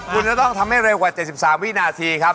คุณจะต้องทำให้เร็วกว่า๗๓วินาทีครับ